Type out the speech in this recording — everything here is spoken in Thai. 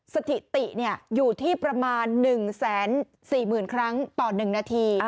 สถิติอยู่ที่ประมาณ๑๔๐๐๐ครั้งต่อ๑นาที